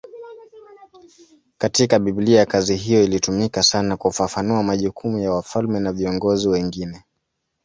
Katika Biblia kazi hiyo ilitumika sana kufafanua majukumu ya wafalme na viongozi wengine.